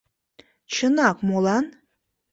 — Чынак, молан?